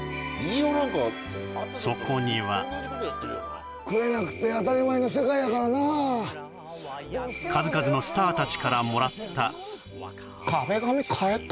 そこには食えなくて当たり前の世界やからな数々のスターたちからもらった壁紙かえた？